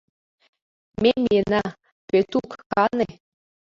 — Ме миена, Пӧтук кане.